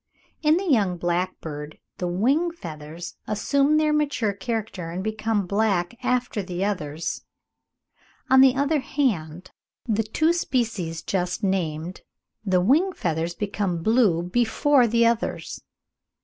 In the young blackbird the wing feathers assume their mature character and become black after the others; on the other hand, in the two species just named the wing feathers become blue before the others.